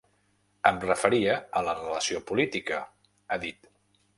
Em referia a la relació política, ha dit.